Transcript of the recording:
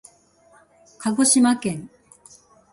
かごしまけん